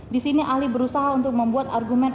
di sini ahli berusaha untuk membuat argumen